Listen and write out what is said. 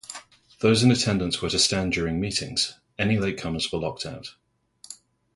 Those in attendance were to stand during meetings, and any latecomers were locked out.